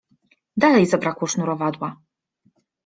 Dalej zabrakło sznurowadła.